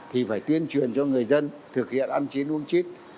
thì phải tuyên truyền cho người dân thực hiện ăn chế uống chít